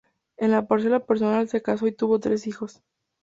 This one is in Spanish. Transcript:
En la parcela personal, se casó y tuvo tres hijos.